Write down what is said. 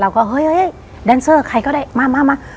เราก็เฮ้ยเฮ้ยแดนเซอร์ใครก็ได้มามามา